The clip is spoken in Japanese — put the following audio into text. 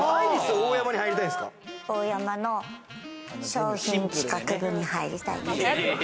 オーヤマの商品企画部に入りたいです。